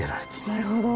なるほど。